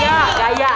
sekarang di asik